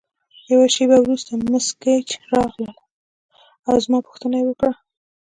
یوه شیبه وروسته مس ګیج راغله او زما پوښتنه یې وکړه.